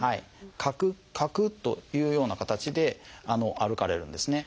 カクカクというような形で歩かれるんですね。